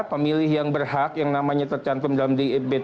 pemilih yang berhak yang namanya tercantum dalam dpp itu